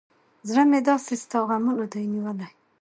زړه مې داسې ستا غمونه دى نيولى.